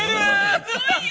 すごいよ！